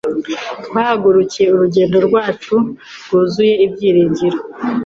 Twahagurukiye urugendo rwacu rwuzuye ibyiringiro.